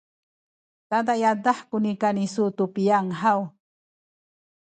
tada yadah ku nikan isu tu piyang haw?